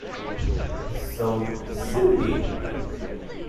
So sue me!